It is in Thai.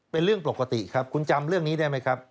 เป็นเรื่องปกติครับ